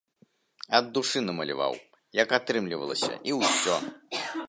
Ад душы намаляваў, як атрымлівалася, і ўсё.